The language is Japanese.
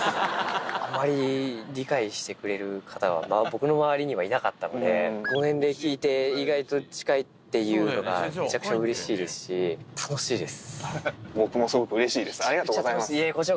あまり理解してくれる方は、僕の周りにはいなかったので、年齢聞いて、意外と近いっていうのがめちゃくちゃうれしいですし、楽しいです。